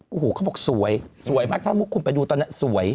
โอ้โหเขาบอกสวยสวยมากถ้ามุกคุณไปดูตอนนั้นสวย